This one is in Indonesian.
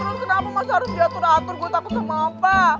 dulu kenapa masih harus diatur atur gue takut sama apa